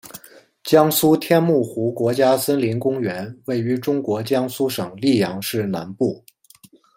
江苏天目湖国家森林公园位于中国江苏省溧阳市南部。